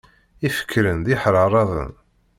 Ifekren d iḥraraden.